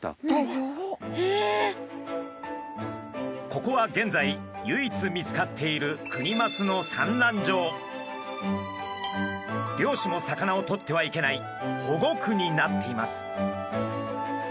ここは現在唯一見つかっている漁師も魚を取ってはいけない保護区になっています。